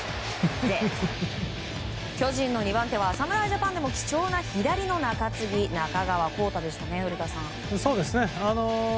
巨人の２番手は侍ジャパンでも貴重な左の中継ぎ中川皓太でしたね、古田さん。